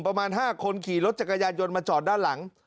เป็นอีกกลุ่มประมาณ๕คนขี่รถจักรยานยนต์มาจอดด้านหลัง